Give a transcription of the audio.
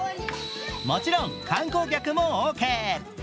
もちろん観光客もオーケー。